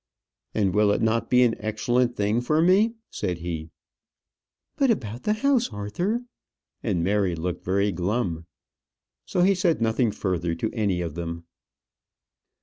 "And will it not be an excellent thing for me?" said he. "But about the house, Arthur!" And Mary looked very glum. So he said nothing further to any of them.